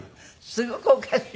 すごくおかしいね。